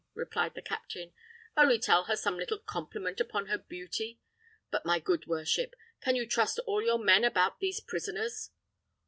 replied the captain, "only tell her some little compliment upon her beauty. But, my good worship, can you trust all your men about these prisoners?"